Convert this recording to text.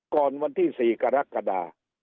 ก่อนวันที่๔กรกฎา